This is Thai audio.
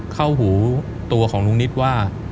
เข้าหูตัวของลุงนิดว่า